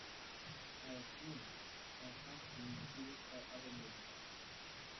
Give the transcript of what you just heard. I Against I has been used by other music acts.